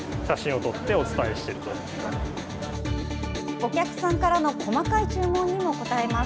お客さんからの細かい注文にも応えます。